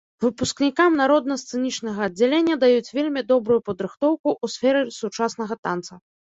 Выпускнікам народна-сцэнічнага аддзялення даюць вельмі добрую падрыхтоўку ў сферы сучаснага танца.